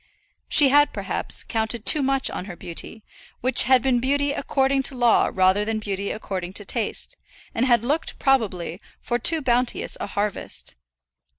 She had, perhaps, counted too much on her beauty, which had been beauty according to law rather than beauty according to taste, and had looked, probably, for too bounteous a harvest.